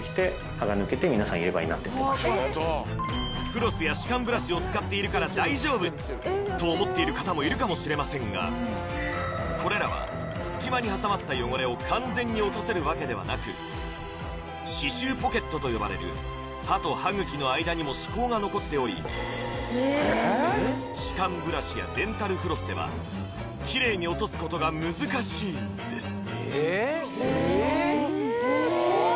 フロスや歯間ブラシを使っているから大丈夫と思っている方もいるかもしれませんがこれらは隙間に挟まった汚れを完全に落とせるわけではなく歯周ポケットと呼ばれる歯と歯茎の間にも歯垢が残っており歯間ブラシやデンタルフロスではキレイに落とすことが難しいんです